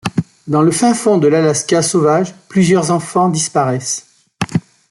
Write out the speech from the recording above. Dans le fin fond de l'Alaska sauvage, plusieurs enfants disparaissent.